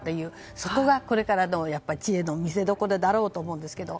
そこがこれからの知恵の見せどころだろうと思います。